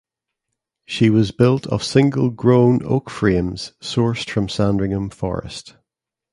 She was built of single grown oak frames sourced from Sandringham Forest.